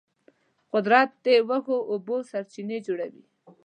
قدرت د خوږو اوبو سرچینې جوړوي.